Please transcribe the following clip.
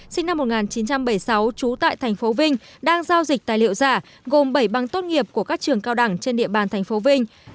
sinh năm một nghìn chín trăm bảy mươi sáu trú tại tp vinh đang giao dịch tài liệu giả gồm bảy bằng tốt nghiệp của các trường cao đẳng trên địa bàn tp vinh